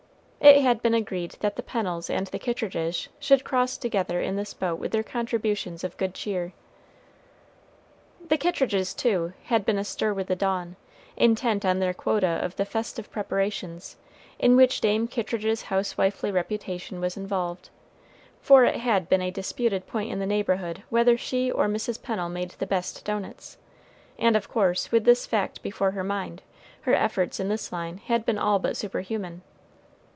It had been agreed that the Pennels and the Kittridges should cross together in this boat with their contributions of good cheer. The Kittridges, too, had been astir with the dawn, intent on their quota of the festive preparations, in which Dame Kittridge's housewifely reputation was involved, for it had been a disputed point in the neighborhood whether she or Mrs. Pennel made the best doughnuts; and of course, with this fact before her mind, her efforts in this line had been all but superhuman.